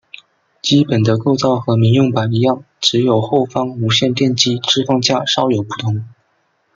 基本的构造和民用版一样只有后方无线电机置放架稍有不同。